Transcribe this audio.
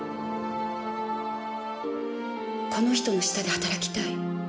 この人の下で働きたい。